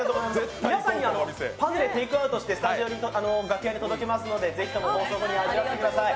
皆さんにはパヌレをテイクアウトしてスタジオに、楽屋にも届けますのでぜひとも放送後に召し上がってください。